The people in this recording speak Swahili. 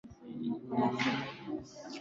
Leo nasikia kizunguzungu.